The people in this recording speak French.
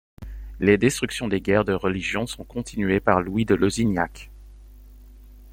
Les destructions des guerres de Religion sont continuées par Louis de Lezignac.